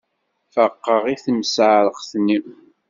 Faqeɣ i timseεreqt-nni.